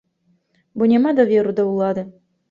Бо няма даверу да ўлады.